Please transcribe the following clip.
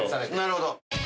なるほど。